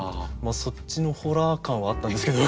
そっちのホラー感はあったんですけど。